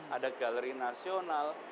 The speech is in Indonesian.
ada galeri nasional